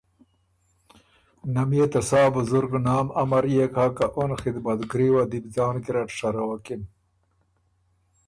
نۀ ميې ته سا بزرګ نام امريېک هۀ که اُن خدمتګري وه دی بو ځان ګیرډ شروَکِن